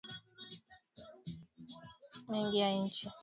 Ugonjwa huu hutokea maeneo mengi ya nchi